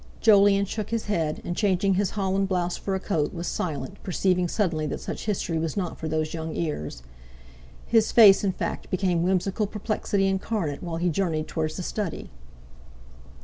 Jolyon shook his head, and, changing his holland blouse for a coat, was silent, perceiving suddenly that such history was not for those young ears. His face, in fact, became whimsical perplexity incarnate while he journeyed towards the study.